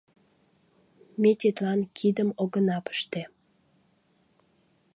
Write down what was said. Ме тидлан кидым огына пыште!